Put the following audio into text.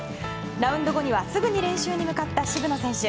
ラウンド後にはすぐに練習に向かった渋野選手。